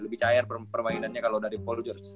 lebih cair permainannya kalo dari paul george